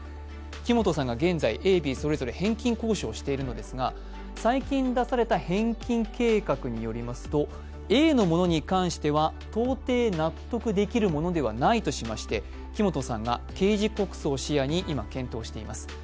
木本さんが現在、Ａ、Ｂそれぞれ返金交渉をしているのですが、最近出された返金計画によりますと、Ａのものに関しては、到底納得できるものではないとして木本さんが刑事告訴を視野に今、検討しています。